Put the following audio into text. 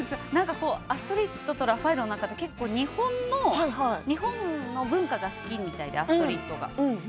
「アストリッドとラファエル」の中で日本の文化が好きみたいなアストリッドが。